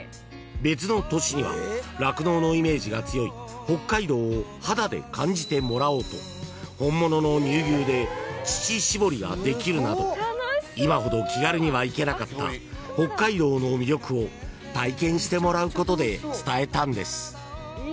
［別の年には酪農のイメージが強い北海道を肌で感じてもらおうと本物の乳牛で乳搾りができるなど今ほど気軽には行けなかった北海道の魅力を体験してもらうことで伝えたんです］